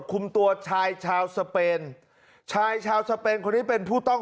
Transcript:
คุมตัวชายชาวสเปนชายชาวสเปนคนนี้เป็นผู้ต้อง